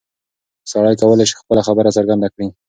سړی کولی شي خپله خبره څرګنده کړي.